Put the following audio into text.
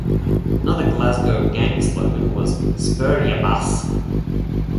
Another Glasgow gang slogan was "Spur ya Bass".